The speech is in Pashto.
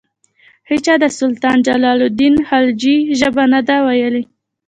هیچا د سلطان جلال الدین خلجي ژبه نه ده ویلي.